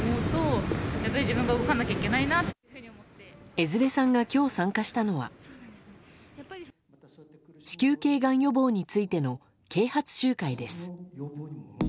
江連さんが今日、参加したのは子宮頸がん予防についての啓発集会です。